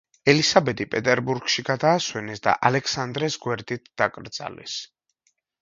ელისაბედი პეტერბურგში გადაასვენეს და ალექსანდრეს გვერდით დაკრძალეს.